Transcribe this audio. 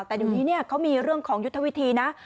แต่อยู่ที่นี่เขามีเรื่องของยุทธวิธีนะ